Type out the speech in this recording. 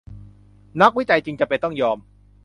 นักวิจัยจึงจำเป็นต้องยอม